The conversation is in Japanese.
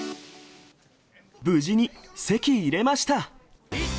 無事に籍入れました。